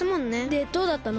でどうだったの？